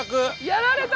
やられた！